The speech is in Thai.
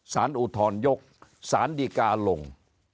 อุทธรยกสารดีกาลง